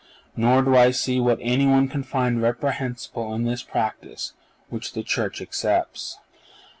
Nor do I see what any one can find reprehensible in that practice which the Church accepts."